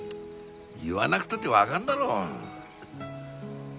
言わなくたってわかるだろう。